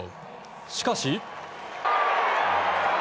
しかし。